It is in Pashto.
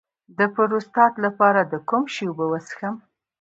د پروستات لپاره د کوم شي اوبه وڅښم؟